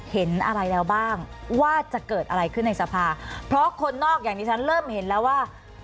เห็นอะไรแล้วบ้างว่าจะเกิดอะไรขึ้นในสภาเพราะคนนอกอย่างที่ฉันเริ่มเห็นแล้วว่า